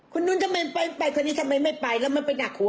คนนู้นทำไมไปคนนี้ทำไมไม่ไปแล้วมันไปหนักหัว